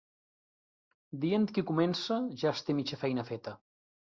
"Dient qui comença, ja es té mitja feina feta".